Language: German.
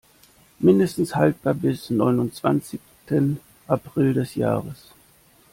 Mindestens haltbar bis neunundzwanzigten April des Jahres.